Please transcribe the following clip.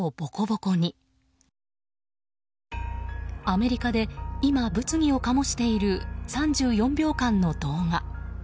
アメリカで今、物議を醸している３４秒間の動画。